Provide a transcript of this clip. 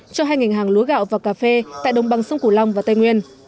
cho hai ngành hàng lúa gạo và cà phê tại đồng bằng sông củ long và tây nguyên